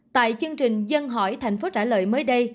tại chương trình dân hỏi tp hcm mới đây